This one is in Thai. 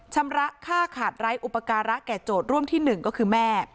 ชำระค่าขาดไร้อุปการะแก่โจทย์ร่วมที่๑ก็คือแม่